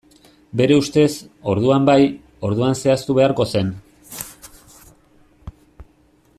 Bere ustez, orduan bai, orduan zehaztu beharko zen.